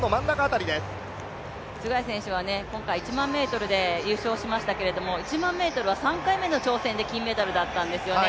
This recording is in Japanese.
ツェガイ選手は今回１００００ｍで優勝しましたけど１００００ｍは３回目の挑戦で金メダルだったんですよね。